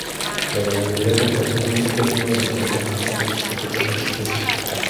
La ganadería de caprinos es uno de los problemas existentes que afectan esta especie.